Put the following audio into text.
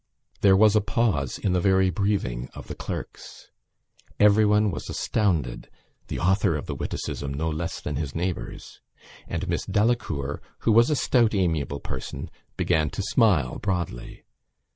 There was a pause in the very breathing of the clerks. Everyone was astounded (the author of the witticism no less than his neighbours) and Miss Delacour, who was a stout amiable person, began to smile broadly.